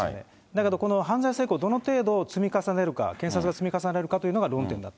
だけど、この犯罪性交を積み重ねるか、検察が積み重ねるかというのが論点